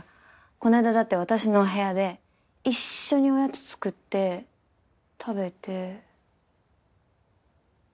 この間だって私のお部屋で一緒におやつ作って食べて。